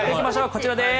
こちらです。